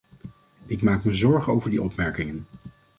Ik maak me zorgen over die opmerkingen.